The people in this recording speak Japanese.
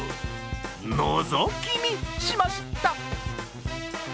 のぞき見しました。